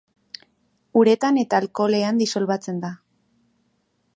Uretan eta alkoholean disolbatzen da.